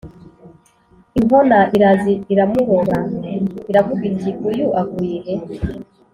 inkona iraza iramurora, iravuga iti uyu avuyehe